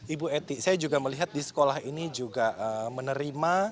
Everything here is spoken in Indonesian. ibu eti saya juga melihat di sekolah ini juga menerima